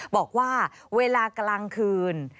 บอกว่าเวลากลางคืน